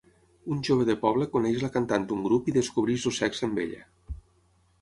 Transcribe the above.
Un jove de poble coneix la cantant d'un grup i descobrix el sexe amb ella.